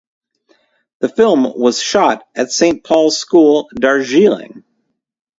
The film was shot at Saint Paul's School, Darjeeling.